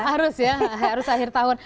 harus ya harus akhir tahun